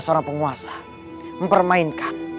seorang penguasa mempermainkan